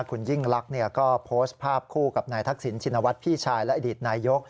คุณยิ่งลักษณ์ก็โพสต์ภาพคู่กับนายทักษิณชินวัฒน์พี่ชายและอดีตนายก